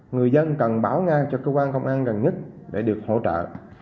người dân cần báo ngay cho cơ quan công an gần nhất để được hỗ trợ